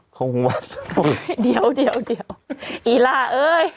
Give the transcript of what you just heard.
คงวัดเดี๋ยวอีล่าเอ้ย